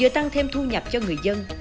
thêm thu nhập cho người dân